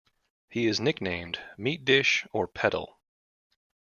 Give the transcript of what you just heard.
He is nicknamed "Meat Dish" or "Petal".